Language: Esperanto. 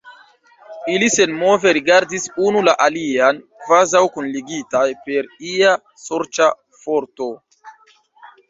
Ili senmove rigardis unu la alian, kvazaŭ kunligitaj per ia sorĉa forto.